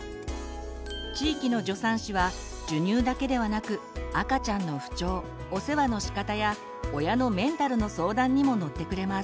地域の助産師は授乳だけではなく赤ちゃんの不調お世話のしかたや親のメンタルの相談にも乗ってくれます。